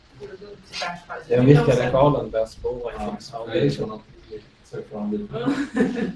Den virkade sjalen bär spår av Kims foundation.